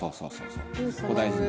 そこ大事に。